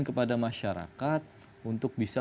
kepada masyarakat untuk bisa